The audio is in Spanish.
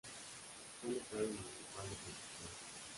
Fue el Estadio Municipal de Concepción.